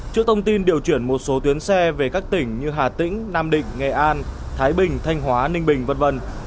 trước thông tin điều chuyển một số tuyến xe về các tỉnh như hà tĩnh nam định nghệ an thái bình thanh hóa ninh bình v v